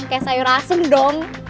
kayak sayur asem dong